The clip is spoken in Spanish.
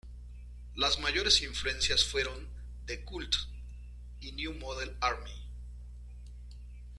Las mayores influencias fueron The Cult y New Model Army.